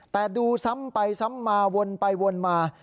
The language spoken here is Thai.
แต่ดูซ้ำไปซ้ำมาวนไปวนมา